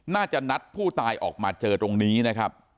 นัดผู้ตายออกมาเจอตรงนี้นะครับ